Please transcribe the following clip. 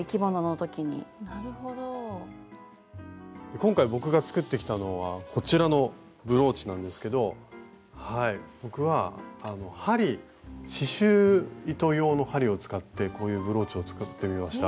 今回僕が作ってきたのはこちらのブローチなんですけど僕は針刺しゅう糸用の針を使ってこういうブローチを作ってみました。